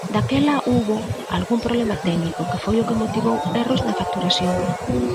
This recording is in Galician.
Daquela houbo algún problema técnico que foi o que motivou erros na facturación.